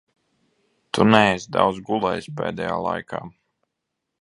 Tu neesi daudz gulējis pēdējā laikā.